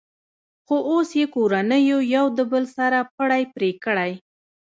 خو اوس یې کورنیو یو د بل سره پړی پرې کړی.